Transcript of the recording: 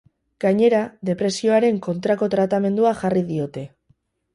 Gainera, depresioaren kontrako tratamendua jarri diote.